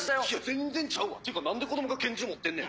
全然ちゃうわていうか何で子供が拳銃持ってんねん。